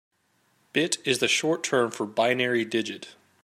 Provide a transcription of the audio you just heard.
Bit is the short term for binary digit.